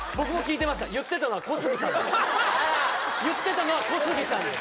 言ってたのは小杉さんです